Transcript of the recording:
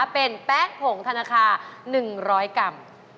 เป็นแป๊กผงธนาคาร๑๐๐กรัม